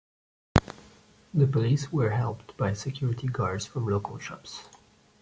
The police were helped by security guards from local shops.